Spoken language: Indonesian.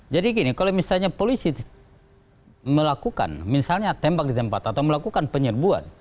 gini kalau misalnya polisi melakukan misalnya tembak di tempat atau melakukan penyerbuan